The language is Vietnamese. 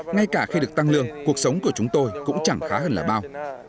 ngay cả khi được tăng lương cuộc sống của chúng tôi cũng chẳng khá hơn là bao